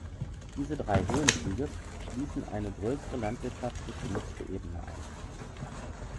Diese drei Höhenzüge schließen eine größere landwirtschaftlich genutzte Ebene ein.